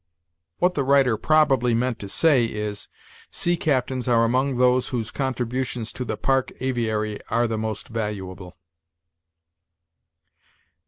What the writer probably meant to say is, "Sea captains are among those whose contributions to the Park aviary are the most valuable."